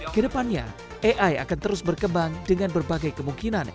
kedepannya ai akan terus berkembang dengan berbagai kemungkinan